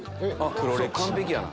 完璧やな。